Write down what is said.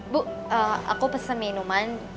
bu aku pesen minuman